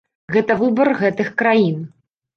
Гэта выбар гэтых краін.